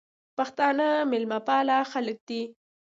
پښتانه مېلمپال خلک دي.